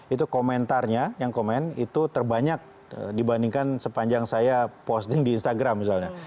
itu komentarnya yang komen itu terbanyak dibandingkan sepanjang saya posting di instagram misalnya